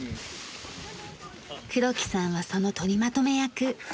黒木さんはその取りまとめ役。